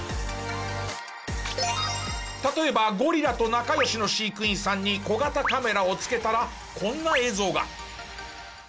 例えばゴリラと仲良しの飼育員さんに小型カメラを付けたらこんな映像が。